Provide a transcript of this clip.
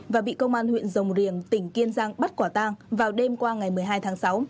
và bị công an huyện rồng riềng tỉnh kiên giang bắt quả tang vào đêm qua ngày một mươi hai tháng sáu